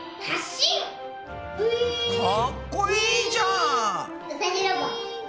かっこいいじゃん！